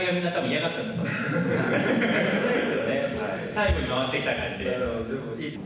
最後に回ってきた感じで。